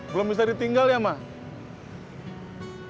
belum bisa ditinggal ya mas